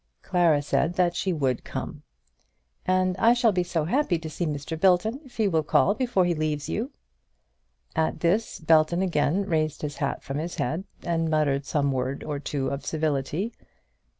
Clara said that she would come. "And I shall be so happy to see Mr. Belton if he will call before he leaves you." At this Belton again raised his hat from his head, and muttered some word or two of civility.